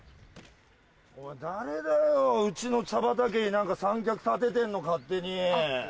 おい誰だようちの茶畑に三脚立ててんの勝手に。